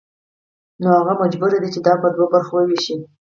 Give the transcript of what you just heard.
نو هغه مجبور دی چې دا په دوو برخو ووېشي